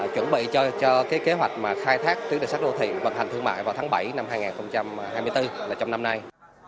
chuẩn bị cho cái kế hoạch mà khai thác tuyến đường sắt đô thị vận hành thương mại vào tháng bảy năm hai nghìn hai mươi bốn là trong năm nay